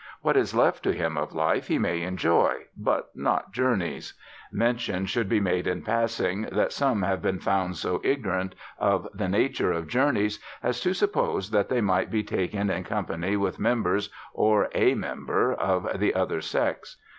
What is left to him of life he may enjoy, but not journeys. Mention should be made in passing that some have been found so ignorant of the nature of journeys as to suppose that they might be taken in company with members, or a member, of the other sex.